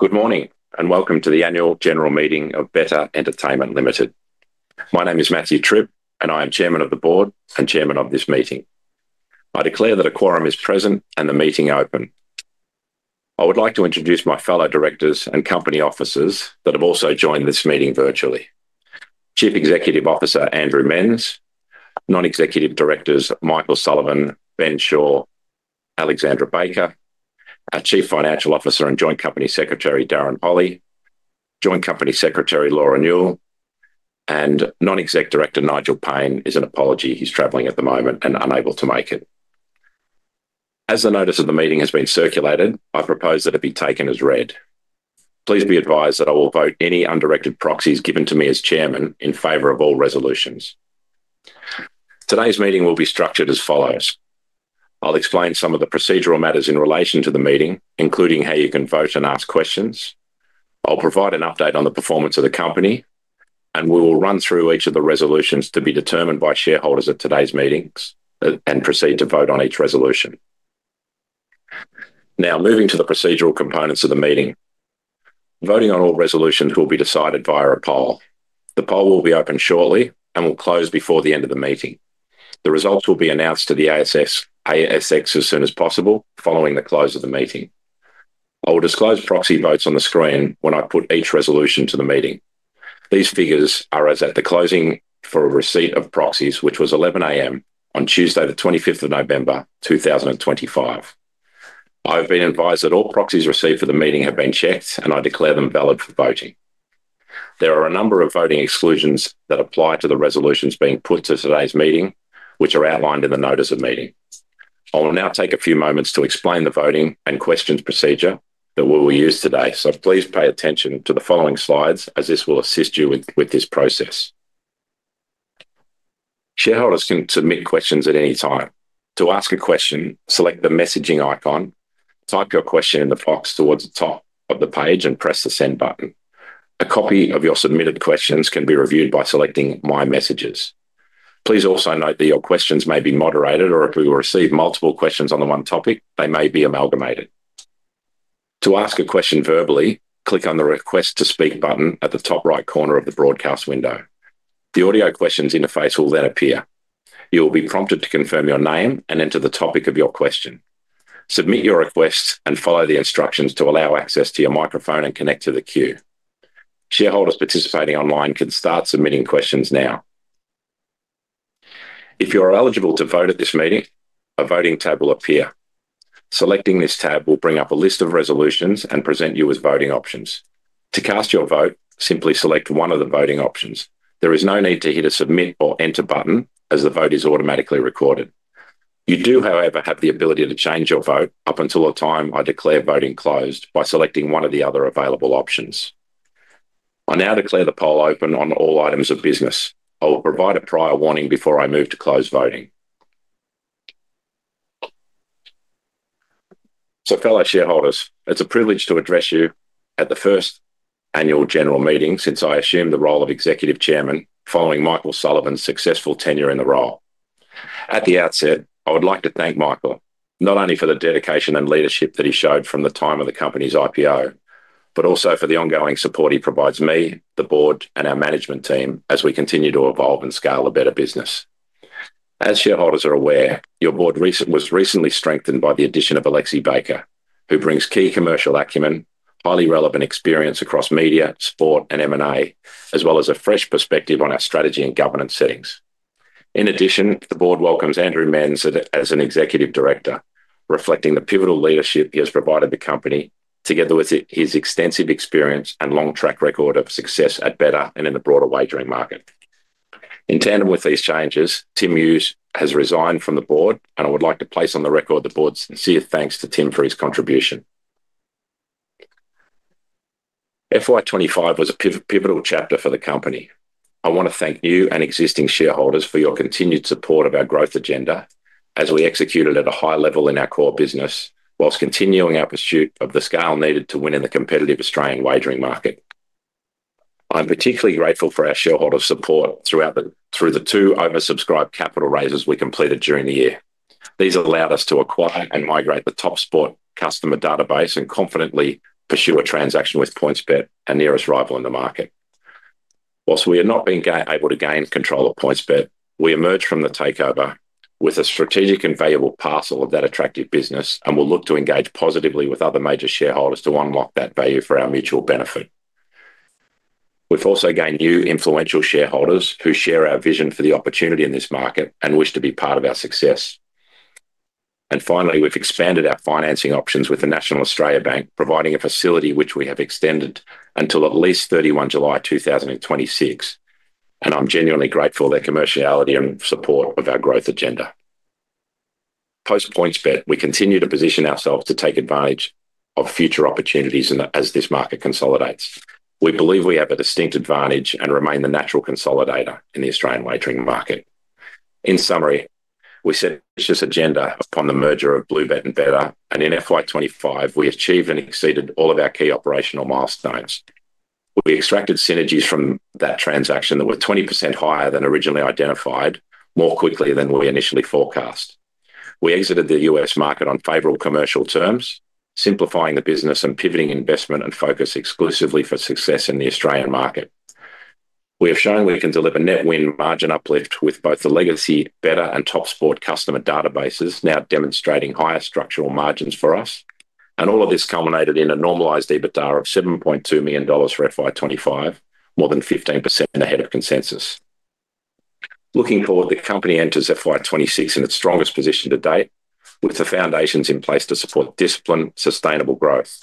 Good morning and welcome to the annual general meeting of betr Entertainment Ltd. My name is Matthew Tripp, and I am Chairman of the Board and Chairman of this meeting. I declare that a quorum is present and the meeting open. I would like to introduce my fellow directors and company officers that have also joined this meeting virtually: Chief Executive Officer Andrew Menz, Non-Executive Directors Michael Sullivan, Ben Shaw, Alexi Baker, our Chief Financial Officer and Joint Company Secretary Darren Holley, Joint Company Secretary Laura Newell, and Non-Executive Director Nigel Payne is an apology; he is traveling at the moment and unable to make it. As the notice of the meeting has been circulated, I propose that it be taken as read. Please be advised that I will vote any undirected proxies given to me as Chairman in favor of all resolutions. Today's meeting will be structured as follows. I'll explain some of the procedural matters in relation to the meeting, including how you can vote and ask questions. I'll provide an update on the performance of the company, and we will run through each of the resolutions to be determined by shareholders at today's meetings and proceed to vote on each resolution. Now, moving to the procedural components of the meeting. Voting on all resolutions will be decided via a poll. The poll will be opened shortly and will close before the end of the meeting. The results will be announced to the ASX as soon as possible following the close of the meeting. I will disclose proxy votes on the screen when I put each resolution to the meeting. These figures are as at the closing for receipt of proxies, which was 11:00 A.M. on Tuesday, the 25th of November, 2025. I have been advised that all proxies received for the meeting have been checked, and I declare them valid for voting. There are a number of voting exclusions that apply to the resolutions being put to today's meeting, which are outlined in the notice of meeting. I will now take a few moments to explain the voting and questions procedure that we will use today, so please pay attention to the following slides, as this will assist you with this process. Shareholders can submit questions at any time. To ask a question, select the messaging icon, type your question in the box towards the top of the page, and press the send button. A copy of your submitted questions can be reviewed by selecting my messages. Please also note that your questions may be moderated, or if we receive multiple questions on the one topic, they may be amalgamated. To ask a question verbally, click on the request to speak button at the top right corner of the broadcast window. The audio questions interface will then appear. You will be prompted to confirm your name and enter the topic of your question. Submit your request and follow the instructions to allow access to your microphone and connect to the queue. Shareholders participating online can start submitting questions now. If you are eligible to vote at this meeting, a voting tab will appear. Selecting this tab will bring up a list of resolutions and present you with voting options. To cast your vote, simply select one of the voting options. There is no need to hit a submit or enter button, as the vote is automatically recorded. You do, however, have the ability to change your vote up until the time I declare voting closed by selecting one of the other available options. I now declare the poll open on all items of business. I will provide a prior warning before I move to close voting. Fellow shareholders, it's a privilege to address you at the first annual general meeting since I assumed the role of Executive Chairman following Michael Sullivan's successful tenure in the role. At the outset, I would like to thank Michael not only for the dedication and leadership that he showed from the time of the company's IPO, but also for the ongoing support he provides me, the board, and our management team as we continue to evolve and scale a better business. As shareholders are aware, your board was recently strengthened by the addition of Alexi Baker, who brings key commercial acumen, highly relevant experience across media, sport, and M&A, as well as a fresh perspective on our strategy and governance settings. In addition, the board welcomes Andrew Menz as an Executive Director, reflecting the pivotal leadership he has provided the company, together with his extensive experience and long track record of success at betr and in the broader wagering market. In tandem with these changes, Tim Hughes has resigned from the board, and I would like to place on the record the board's sincere thanks to Tim for his contribution. FY 2025 was a pivotal chapter for the company. I want to thank new and existing shareholders for your continued support of our growth agenda as we execute it at a high level in our core business, whilst continuing our pursuit of the scale needed to win in the competitive Australian wagering market. I'm particularly grateful for our shareholders' support throughout the two oversubscribed capital raises we completed during the year. These allowed us to acquire and migrate the Top Sport customer database and confidently pursue a transaction with PointsBet and nearest rival in the market. Whilst we have not been able to gain control of PointsBet, we emerged from the takeover with a strategic and valuable parcel of that attractive business and will look to engage positively with other major shareholders to unlock that value for our mutual benefit. have also gained new influential shareholders who share our vision for the opportunity in this market and wish to be part of our success. Finally, we have expanded our financing options with the National Australia Bank, providing a facility which we have extended until at least 31 July 2026, and I am genuinely grateful for their commerciality and support of our growth agenda. Post PointsBet, we continue to position ourselves to take advantage of future opportunities as this market consolidates. We believe we have a distinct advantage and remain the natural consolidator in the Australian wagering market. In summary, we set this agenda upon the merger of BlueBet and betr, and in FY 2025, we achieved and exceeded all of our key operational milestones. We extracted synergies from that transaction that were 20% higher than originally identified, more quickly than we initially forecast. We exited the U.S. market on favorable commercial terms, simplifying the business and pivoting investment and focus exclusively for success in the Australian market. We have shown we can deliver net win margin uplift with both the legacy betr and Top Sport customer databases now demonstrating higher structural margins for us, and all of this culminated in a normalized EBITDA of 7.2 million dollars for FY 2025, more than 15% ahead of consensus. Looking forward, the company enters FY 2026 in its strongest position to date, with the foundations in place to support disciplined, sustainable growth.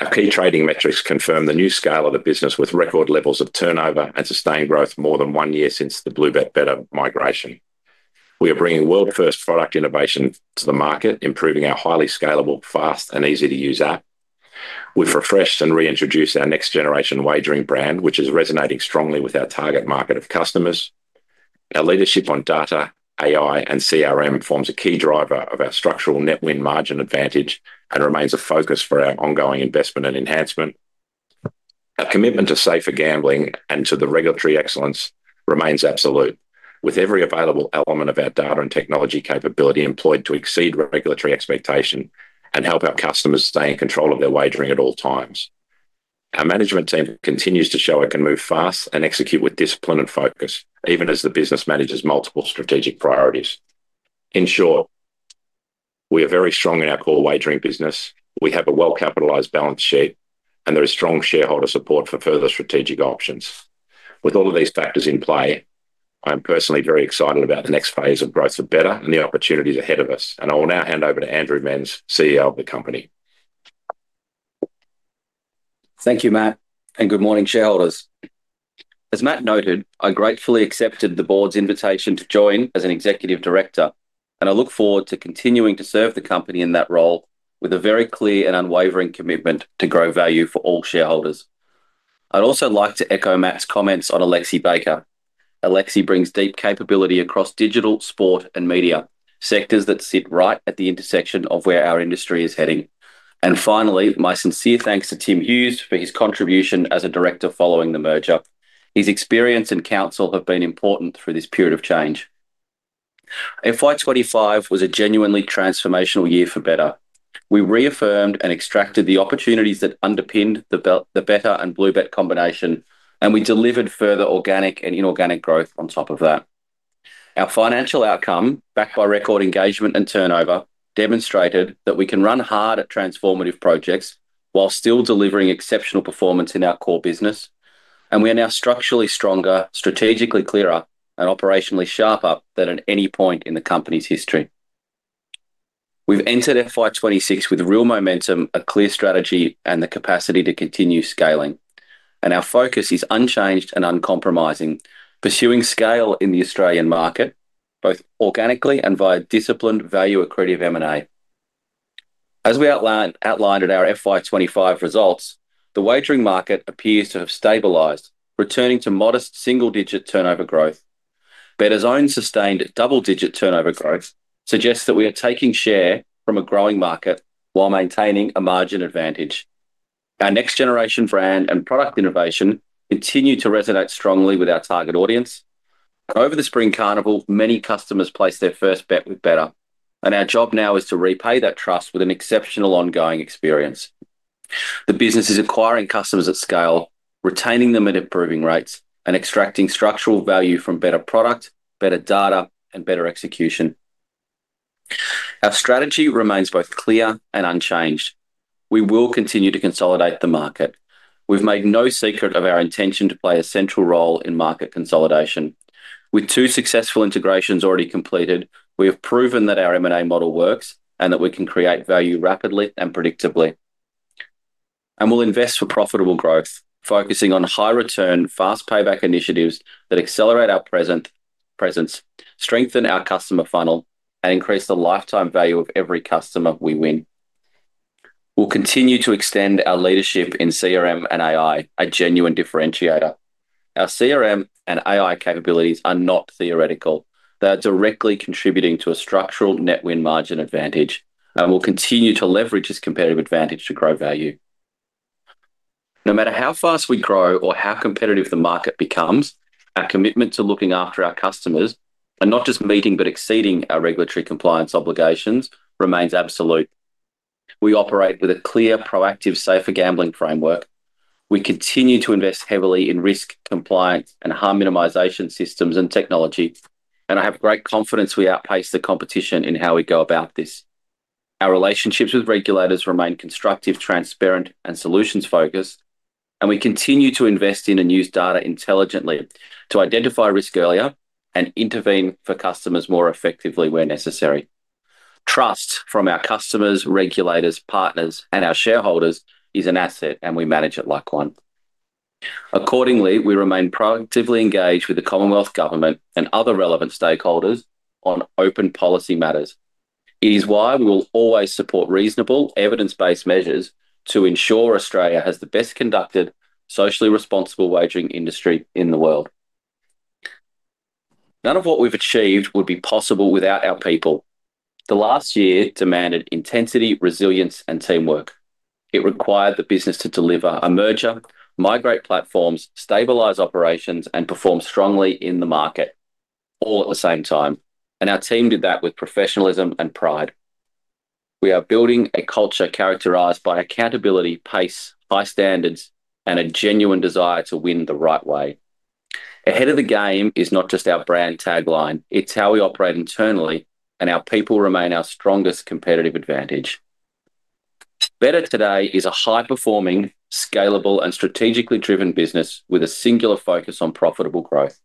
Our key trading metrics confirm the new scale of the business with record levels of turnover and sustained growth more than one year since the BlueBet betr migration. We are bringing world-first product innovation to the market, improving our highly scalable, fast, and easy-to-use app. We've refreshed and reintroduced our next-generation wagering brand, which is resonating strongly with our target market of customers. Our leadership on data, AI, and CRM forms a key driver of our structural net win margin advantage and remains a focus for our ongoing investment and enhancement. Our commitment to safer gambling and to the regulatory excellence remains absolute, with every available element of our data and technology capability employed to exceed regulatory expectation and help our customers stay in control of their wagering at all times. Our management team continues to show it can move fast and execute with discipline and focus, even as the business manages multiple strategic priorities. In short, we are very strong in our core wagering business, we have a well-capitalized balance sheet, and there is strong shareholder support for further strategic options. With all of these factors in play, I am personally very excited about the next phase of growth for betr and the opportunities ahead of us, and I will now hand over to Andrew Menz, CEO of the company. Thank you, Matt, and good morning, shareholders. As Matt noted, I gratefully accepted the board's invitation to join as an Executive Director, and I look forward to continuing to serve the company in that role with a very clear and unwavering commitment to grow value for all shareholders. I would also like to echo Matt's comments on Alexi Baker. Alexi brings deep capability across digital, sport, and media sectors that sit right at the intersection of where our industry is heading. Finally, my sincere thanks to Tim Hughes for his contribution as a director following the merger. His experience and counsel have been important through this period of change. FY 2025 was a genuinely transformational year for betr. We reaffirmed and extracted the opportunities that underpinned the betr and BlueBet combination, and we delivered further organic and inorganic growth on top of that. Our financial outcome, backed by record engagement and turnover, demonstrated that we can run hard at transformative projects while still delivering exceptional performance in our core business, and we are now structurally stronger, strategically clearer, and operationally sharper than at any point in the company's history. We've entered FY 2026 with real momentum, a clear strategy, and the capacity to continue scaling, and our focus is unchanged and uncompromising, pursuing scale in the Australian market both organically and via disciplined, value-accretive M&A. As we outlined at our FY 2025 results, the wagering market appears to have stabilised, returning to modest single-digit turnover growth. Betr's own sustained double-digit turnover growth suggests that we are taking share from a growing market while maintaining a margin advantage. Our next-generation brand and product innovation continue to resonate strongly with our target audience. Over the spring carnival, many customers placed their first bet with betr, and our job now is to repay that trust with an exceptional ongoing experience. The business is acquiring customers at scale, retaining them at improving rates, and extracting structural value from betr product, betr data, and betr execution. Our strategy remains both clear and unchanged. We will continue to consolidate the market. We have made no secret of our intention to play a central role in market consolidation. With two successful integrations already completed, we have proven that our M&A model works and that we can create value rapidly and predictably. We will invest for profitable growth, focusing on high-return, fast payback initiatives that accelerate our presence, strengthen our customer funnel, and increase the lifetime value of every customer we win. We will continue to extend our leadership in CRM and AI, a genuine differentiator. Our CRM and AI capabilities are not theoretical. They are directly contributing to a structural net win margin advantage, and we'll continue to leverage this competitive advantage to grow value. No matter how fast we grow or how competitive the market becomes, our commitment to looking after our customers and not just meeting but exceeding our regulatory compliance obligations remains absolute. We operate with a clear, proactive, safer gambling framework. We continue to invest heavily in risk, compliance, and harm minimisation systems and technology, and I have great confidence we outpace the competition in how we go about this. Our relationships with regulators remain constructive, transparent, and solutions-focused, and we continue to invest in and use data intelligently to identify risk earlier and intervene for customers more effectively where necessary. Trust from our customers, regulators, partners, and our shareholders is an asset, and we manage it like one. Accordingly, we remain proactively engaged with the Commonwealth Government and other relevant stakeholders on open policy matters. It is why we will always support reasonable, evidence-based measures to ensure Australia has the best-conducted, socially responsible wagering industry in the world. None of what we've achieved would be possible without our people. The last year demanded intensity, resilience, and teamwork. It required the business to deliver a merger, migrate platforms, stabilize operations, and perform strongly in the market all at the same time, and our team did that with professionalism and pride. We are building a culture characterized by accountability, pace, high standards, and a genuine desire to win the right way. Ahead of the game is not just our brand tagline; it's how we operate internally, and our people remain our strongest competitive advantage. Betr today is a high-performing, scalable, and strategically driven business with a singular focus on profitable growth.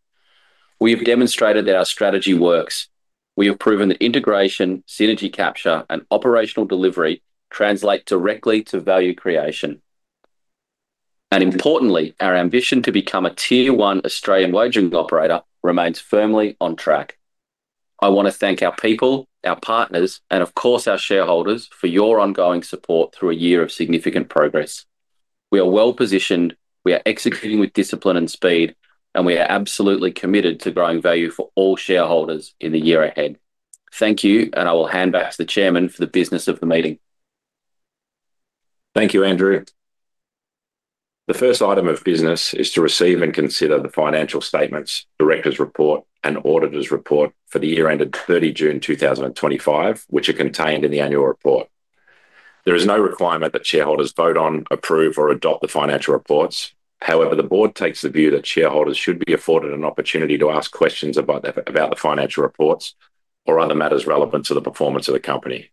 We have demonstrated that our strategy works. We have proven that integration, synergy capture, and operational delivery translate directly to value creation. Importantly, our ambition to become a tier-one Australian wagering operator remains firmly on track. I want to thank our people, our partners, and of course our shareholders for your ongoing support through a year of significant progress. We are well positioned, we are executing with discipline and speed, and we are absolutely committed to growing value for all shareholders in the year ahead. Thank you, I will hand back to the Chairman for the business of the meeting. Thank you, Andrew. The first item of business is to receive and consider the financial statements, director's report, and auditor's report for the year ended 30 June 2025, which are contained in the annual report. There is no requirement that shareholders vote on, approve, or adopt the financial reports. However, the board takes the view that shareholders should be afforded an opportunity to ask questions about the financial reports or other matters relevant to the performance of the company.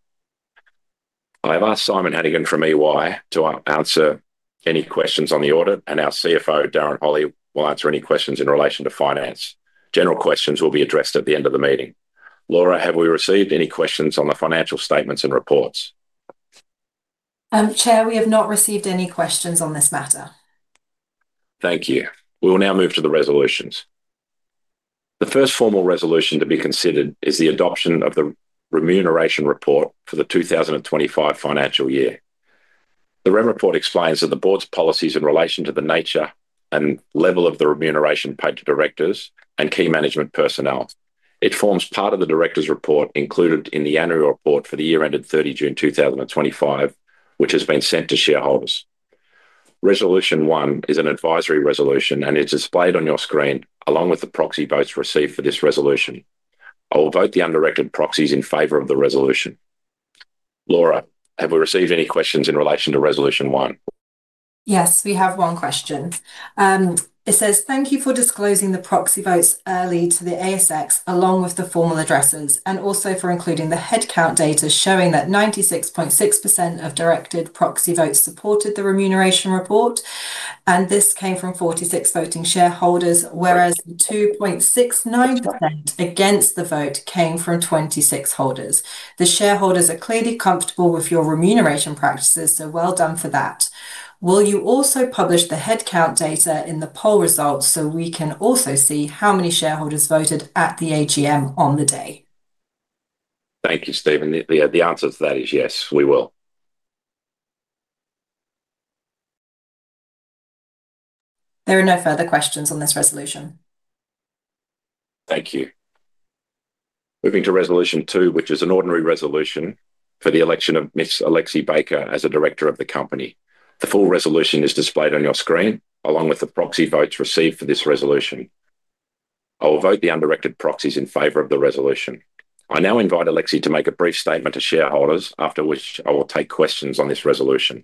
I have asked Simon Hannigan from EY to answer any questions on the audit, and our CFO, Darren Holley, will answer any questions in relation to finance. General questions will be addressed at the end of the meeting. Laura, have we received any questions on the financial statements and reports? Chair, we have not received any questions on this matter. Thank you. We will now move to the resolutions. The first formal resolution to be considered is the adoption of the remuneration report for the 2025 financial year. The report explains that the board's policies in relation to the nature and level of the remuneration paid to directors and key management personnel. It forms part of the director's report included in the annual report for the year ended 30 June 2025, which has been sent to shareholders. Resolution one is an advisory resolution, and it's displayed on your screen along with the proxy votes received for this resolution. I will vote the undirected proxies in favor of the resolution. Laura, have we received any questions in relation to resolution one? Yes, we have one question. It says, "Thank you for disclosing the proxy votes early to the ASX along with the formal addresses, and also for including the headcount data showing that 96.6% of directed proxy votes supported the remuneration report, and this came from 46 voting shareholders, whereas 2.69% against the vote came from 26 holders. The shareholders are clearly comfortable with your remuneration practices, so well done for that. Will you also publish the headcount data in the poll results so we can also see how many shareholders voted at the AGM on the day? Thank you, Stephen. The answer to that is yes, we will. There are no further questions on this resolution. Thank you. Moving to resolution two, which is an ordinary resolution for the election of Ms. Alexi Baker as a director of the company. The full resolution is displayed on your screen along with the proxy votes received for this resolution. I will vote the undirected proxies in favor of the resolution. I now invite Alexi to make a brief statement to shareholders, after which I will take questions on this resolution.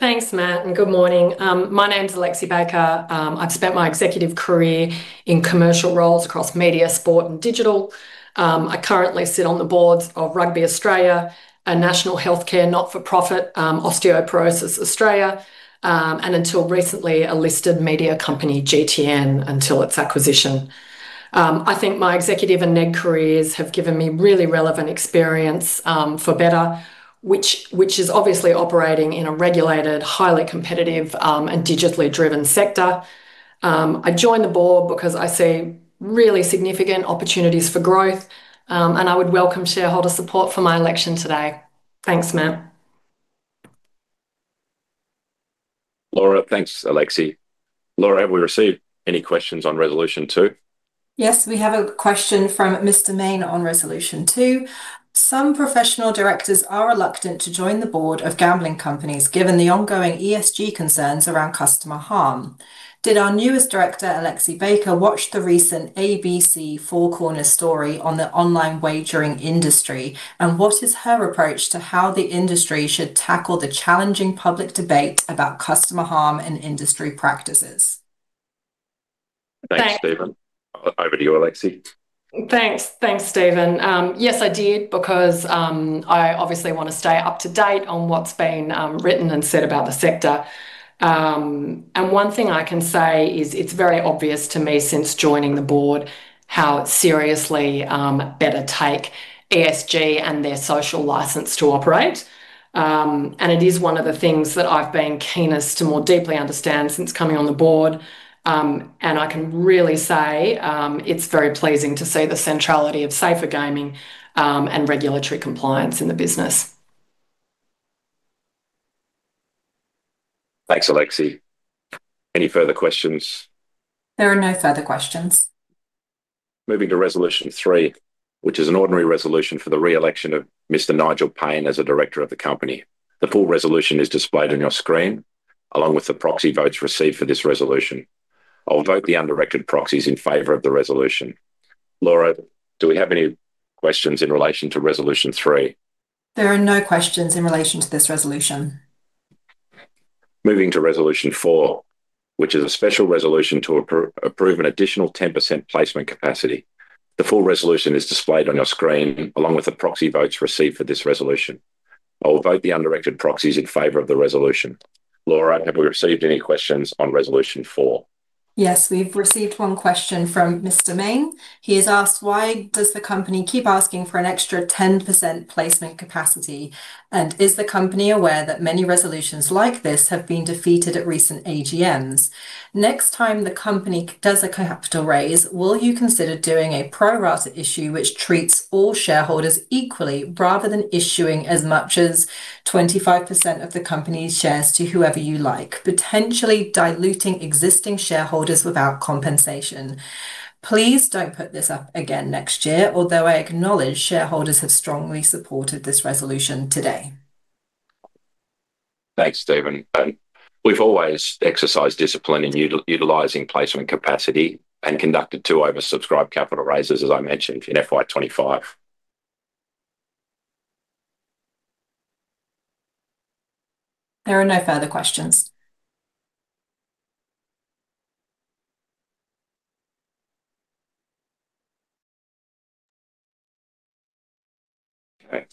Thanks, Matt, and good morning. My name's Alexi Baker. I've spent my executive career in commercial roles across media, sport, and digital. I currently sit on the boards of Rugby Australia, a national healthcare not-for-profit, Osteoporosis Australia, and until recently, a listed media company, GTN, until its acquisition. I think my executive and NED careers have given me really relevant experience for betr, which is obviously operating in a regulated, highly competitive, and digitally driven sector. I joined the board because I see really significant opportunities for growth, and I would welcome shareholder support for my election today. Thanks, Matt. Laura, thanks, Alexi. Laura, have we received any questions on resolution two? Yes, we have a question from Mr. Mean on resolution two. Some professional directors are reluctant to join the board of gambling companies given the ongoing ESG concerns around customer harm. Did our newest director, Alexi Baker, watch the recent ABC Four Corners story on the online wagering industry, and what is her approach to how the industry should tackle the challenging public debate about customer harm and industry practices? Thanks, Stephen. Over to you, Alexi. Thanks. Thanks, Stephen. Yes, I did, because I obviously want to stay up to date on what's been written and said about the sector. One thing I can say is it's very obvious to me since joining the board how seriously betr take ESG and their social licence to operate. It is one of the things that I've been keenest to more deeply understand since coming on the board. I can really say it's very pleasing to see the centrality of safer gaming and regulatory compliance in the business. Thanks, Alexi. Any further questions? There are no further questions. Moving to resolution three, which is an ordinary resolution for the re-election of Mr. Nigel Payne as a director of the company. The full resolution is displayed on your screen along with the proxy votes received for this resolution. I'll vote the undirected proxies in favor of the resolution. Laura, do we have any questions in relation to resolution three? There are no questions in relation to this resolution. Moving to resolution four, which is a special resolution to approve an additional 10% placement capacity. The full resolution is displayed on your screen along with the proxy votes received for this resolution. I'll vote the undirected proxies in favor of the resolution. Laura, have we received any questions on resolution four? Yes, we've received one question from Mr. Mean. He has asked, "Why does the company keep asking for an extra 10% placement capacity, and is the company aware that many resolutions like this have been defeated at recent AGMs? Next time the company does a capital raise, will you consider doing a pro-rata issue which treats all shareholders equally rather than issuing as much as 25% of the company's shares to whoever you like, potentially diluting existing shareholders without compensation? Please don't put this up again next year, although I acknowledge shareholders have strongly supported this resolution today. Thanks, Stephen. We've always exercised discipline in utilising placement capacity and conducted two oversubscribed capital raises, as I mentioned, in FY 2025. There are no further questions. Okay.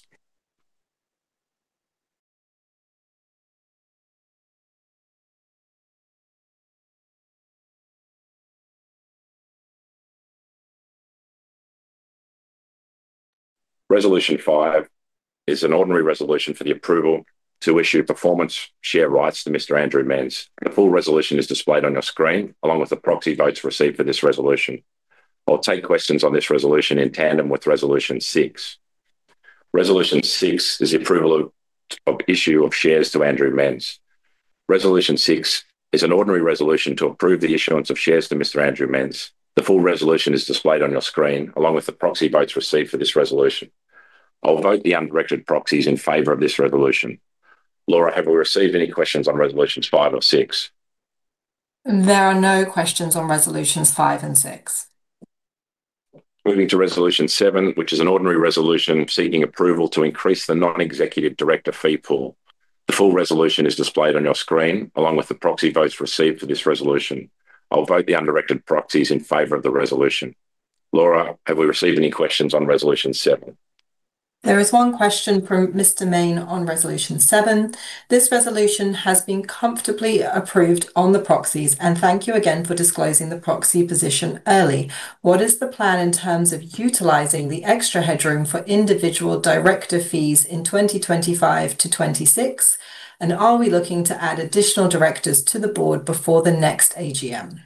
Resolution five is an ordinary resolution for the approval to issue performance share rights to Mr. Andrew Menz. The full resolution is displayed on your screen along with the proxy votes received for this resolution. I'll take questions on this resolution in tandem with resolution six. Resolution six is the approval of issue of shares to Andrew Menz. Resolution six is an ordinary resolution to approve the issuance of shares to Mr. Andrew Menz. The full resolution is displayed on your screen along with the proxy votes received for this resolution. I'll vote the undirected proxies in favor of this resolution. Laura, have we received any questions on resolutions five or six? There are no questions on resolutions five and six. Moving to resolution seven, which is an ordinary resolution seeking approval to increase the non-executive director fee pool. The full resolution is displayed on your screen along with the proxy votes received for this resolution. I'll vote the undirected proxies in favor of the resolution. Laura, have we received any questions on resolution seven? There is one question from Mr. Mean on resolution seven. This resolution has been comfortably approved on the proxies, and thank you again for disclosing the proxy position early. What is the plan in terms of utilizing the extra headroom for individual director fees in 2025 to 2026, and are we looking to add additional directors to the board before the next AGM?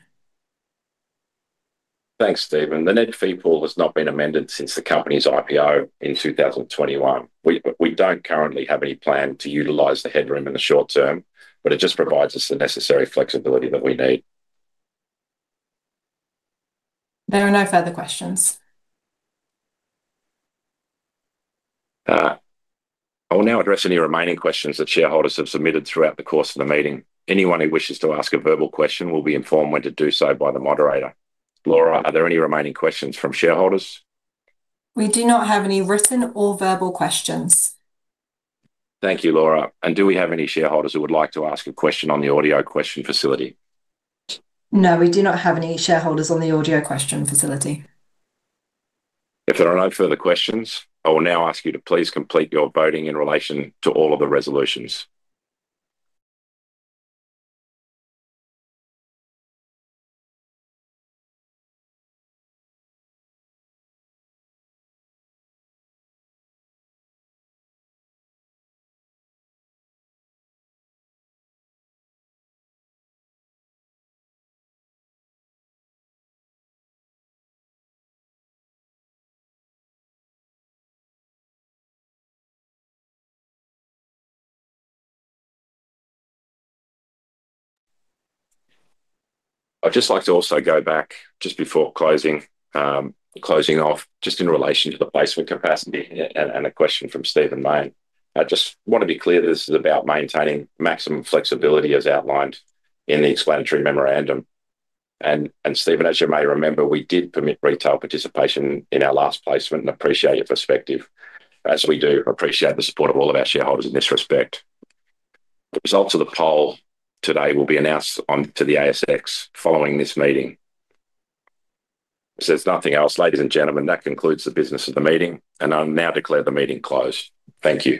Thanks, Stephen. The NED fee pool has not been amended since the company's IPO in 2021. We do not currently have any plan to utilise the headroom in the short term, but it just provides us the necessary flexibility that we need. There are no further questions. I will now address any remaining questions that shareholders have submitted throughout the course of the meeting. Anyone who wishes to ask a verbal question will be informed when to do so by the moderator. Laura, are there any remaining questions from shareholders? We do not have any written or verbal questions. Thank you, Laura. Do we have any shareholders who would like to ask a question on the audio question facility? No, we do not have any shareholders on the audio question facility. If there are no further questions, I will now ask you to please complete your voting in relation to all of the resolutions. I'd just like to also go back just before closing, closing off just in relation to the placement capacity and a question from Stephen Mean. I just want to be clear that this is about maintaining maximum flexibility as outlined in the explanatory memorandum. Stephen, as you may remember, we did permit retail participation in our last placement and appreciate your perspective. As we do, appreciate the support of all of our shareholders in this respect. The results of the poll today will be announced onto the ASX following this meeting. If there's nothing else, ladies and gentlemen, that concludes the business of the meeting, and I'll now declare the meeting closed. Thank you.